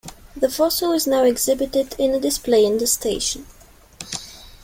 The fossil is now exhibited in a display in the station.